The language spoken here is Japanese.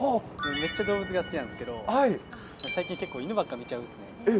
めっちゃ動物が好きなんですけど、最近、結構、犬ばっか、見ちゃうんですね。